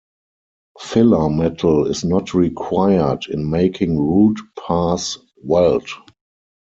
Filler metal is not required in making root pass weld.